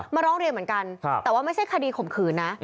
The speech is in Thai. ร้องเรียนเหมือนกันแต่ว่าไม่ใช่คดีข่มขืนนะ